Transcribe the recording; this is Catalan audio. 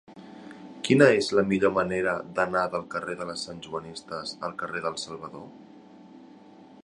Quina és la millor manera d'anar del carrer de les Santjoanistes al carrer dels Salvador?